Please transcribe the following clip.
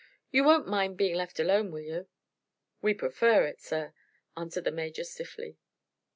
"You won't mind being left alone, will you?" "We prefer it, sir," answered the Major, stiffly.